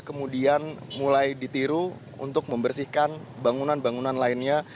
kemudian mulai ditiru untuk membersihkan bangunan bangunan lainnya